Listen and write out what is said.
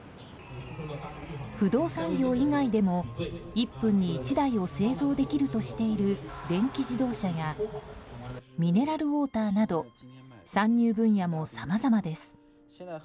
不動産業以外でも、１分に１台を製造できるとしている電気自動車やミネラルウォーターなど参入分野もさまざまです。